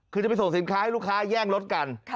คือจะไปส่งสินค้าให้ลูกค้าแย่งรถกัน